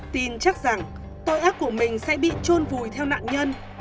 tin chắc rằng tội ác của mình sẽ bị trôn vùi theo nạn nhân